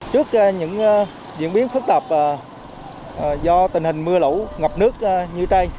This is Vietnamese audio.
trước những diễn biến phức tạp do tình hình mưa lũ ngập nước như tây